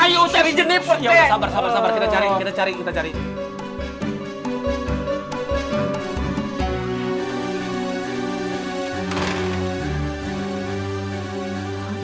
ayo cari jeniper ceng